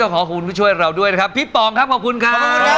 แล้ววันนี้ขอบบว่าช่วยเราด้วยนะครับพี่ป๋องครับขอบบว่าคุณค่ะ